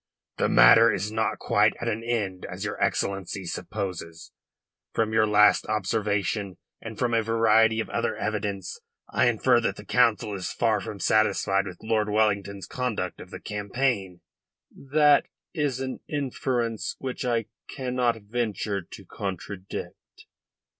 "The matter is not quite at an end, as your Excellency supposes. From your last observation, and from a variety of other evidence, I infer that the Council is far from satisfied with Lord Wellington's conduct of the campaign." "That is an inference which I cannot venture to contradict.